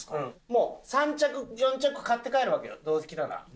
もう３着４着買って帰るわけよどうせ来たなら。